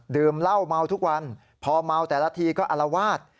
ดื่มเหล้าเมาทุกวันพอเมาแต่ละทีก็อลวาด